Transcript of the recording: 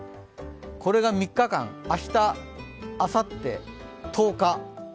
これが３日間、明日、あさって、１０日。